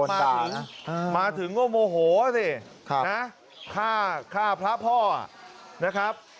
อ้าวนะครับมาถึงว่าโมโหสินะฆ่าพระพ่อนะครับ